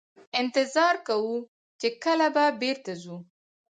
انتظار کوو چې کله به بیرته ځو.